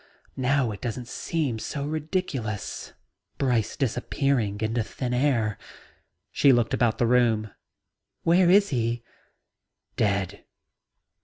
Now it doesn't seem so ridiculous Brice disappearing into thin air." She looked about the room. "Where is he?" "Dead."